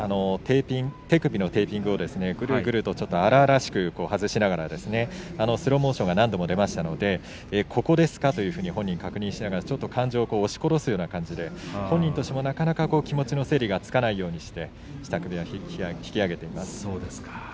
手首をテーピングをぐるぐると荒々しく外しながらスローモーションが何度も出ましたのでここですか、というふうに本人は確認しながら感情を押し殺すような感じで本人としてもなかなか気持ちの整理がつかないようでした。